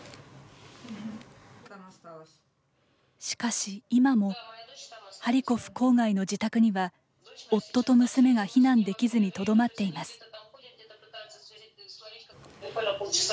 しかし、今もハリコフ郊外の自宅には夫と娘が避難できずにとどまっています。